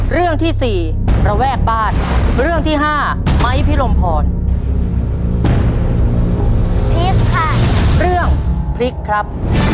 เรื่องที่สี่ระแวกบ้านเรื่องที่ห้าไม้พิรมพรพริกค่ะเรื่องพริกครับ